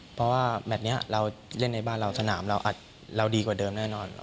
เพราะว่าแมทนี้เราเล่นในบ้านเราสนามเราดีกว่าเดิมแน่นอน